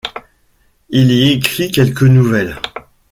Il y écrit quelques nouvelles.